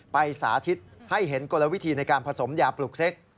สาธิตให้เห็นกลวิธีในการผสมยาปลูกเซ็ก